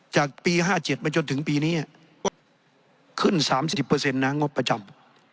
จากปี๕๗มาจนถึงปีนี้ขึ้น๓๐เปอร์เซ็นต์นะงบประจำ